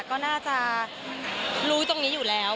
ก็น่าจะรู้ตรงนี้อยู่แล้ว